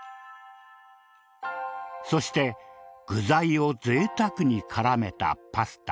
そして具材をぜいたくに絡めたパスタ。